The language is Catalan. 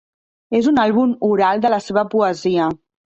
És un àlbum oral de la seva poesia.